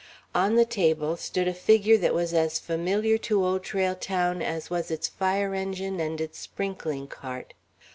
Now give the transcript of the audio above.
On the table stood a figure that was as familiar to Old Trail Town as was its fire engine and its sprinkling cart.